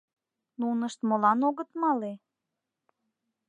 Нунышт молан огыт мале?